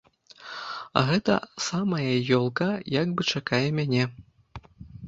А гэта самая ёлка як бы чакае мяне.